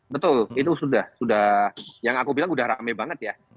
betul itu sudah sudah yang aku bilang udah rame banget ya